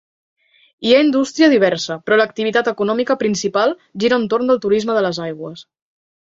Hi ha indústria diversa però l'activitat econòmica principal gira entorn del turisme de les aigües.